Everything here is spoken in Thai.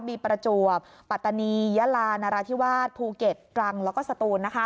มีประจวบปัตตานียะลานราธิวาสภูเก็ตตรังแล้วก็สตูน